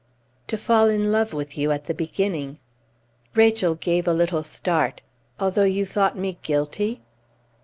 "To fall in love with you at the beginning!" Rachel gave a little start. "Although you thought me guilty?"